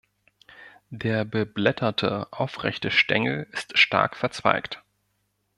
Der beblätterte, aufrechte Stängel ist stark verzweigt.